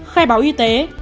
khai báo y tế